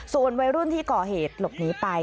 ส่วนวัยรุ่นที่ก่อเหตุหลบหนีไป